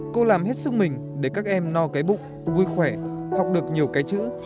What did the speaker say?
cô làm hết sức mình để các em no cái bụng vui khỏe học được nhiều cái chữ